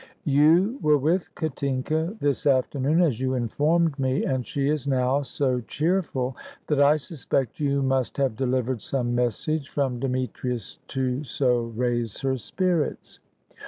You were with Katinka this afternoon, as you informed me, and she is now so cheerful that I suspect you must have delivered some message from Demetrius to so raise her spirits.